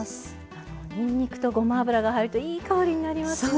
にんにくとごま油が入るといい香りになりますよね。